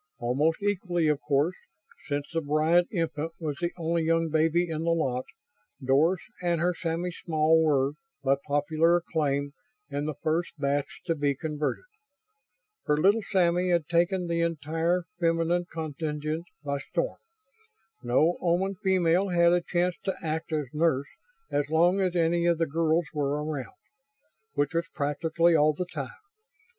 Almost equally of course since the Bryant infant was the only young baby in the lot Doris and her Sammy Small were, by popular acclaim, in the first batch to be converted. For little Sammy had taken the entire feminine contingent by storm. No Oman female had a chance to act as nurse as long as any of the girls were around. Which was practically all the time.